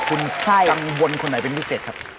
คุณกังวลคนไหนเป็นพิเศษครับ